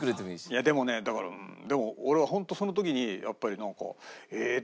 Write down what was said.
いやでもねだからでも俺は本当その時にやっぱりなんかええーって。